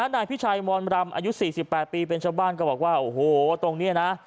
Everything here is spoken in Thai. นายพิชัยมอนรำอายุ๔๘ปีเป็นชาวบ้านก็บอกว่าโอ้โหตรงนี้นะ